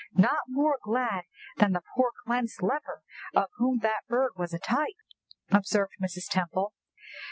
"Not more glad than the poor cleansed leper, of whom that bird was a type," observed Mrs. Temple.